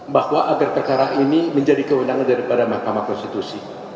bahwa agar perkara ini menjadi kewenangan daripada mahkamah konstitusi